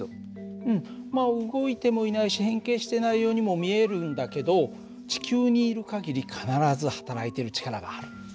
動いてもいないし変形してないようにも見えるんだけど地球にいる限り必ずはたらいている力がある。